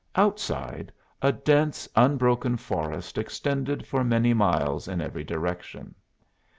Outside, a dense unbroken forest extended for many miles in every direction.